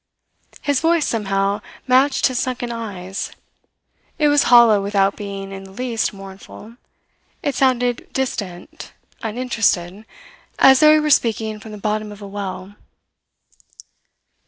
His voice somehow matched his sunken eyes. It was hollow without being in the least mournful; it sounded distant, uninterested, as though he were speaking from the bottom of a well.